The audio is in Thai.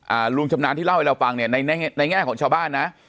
ลุงชำนาญที่เล่าให้เราฟังเนี่ยในในแง่ของชาวบ้านนะ